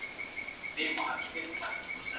سپورت د ټولو افغانانو ګډه ګټه ده.